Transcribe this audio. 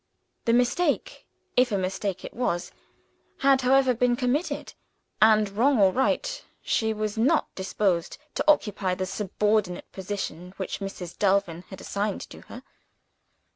The mistake if a mistake it was had however been committed; and, wrong or right, she was not disposed to occupy the subordinate position which Mrs. Delvin had assigned to her.